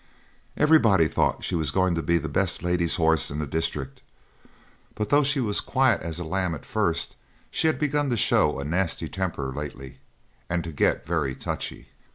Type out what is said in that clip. Everybody thought she was going to be the best lady's horse in the district; but though she was as quiet as a lamb at first she had begun to show a nasty temper lately, and to get very touchy.